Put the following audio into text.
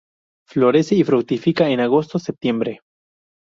Florece y fructifica en agosto-septiembre.